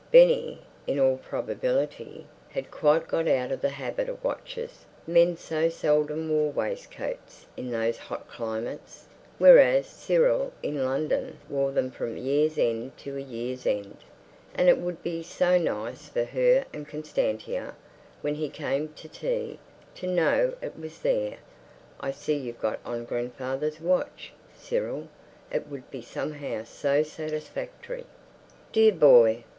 Benny, in all probability, had quite got out of the habit of watches; men so seldom wore waistcoats in those hot climates. Whereas Cyril in London wore them from year's end to year's end. And it would be so nice for her and Constantia, when he came to tea, to know it was there. "I see you've got on grandfather's watch, Cyril." It would be somehow so satisfactory. Dear boy!